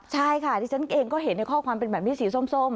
ใช่ค่ะดิฉันเองก็เห็นในข้อความเป็นแบบนี้สีส้ม